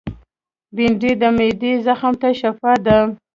بېنډۍ د معدې زخم ته شفاء ده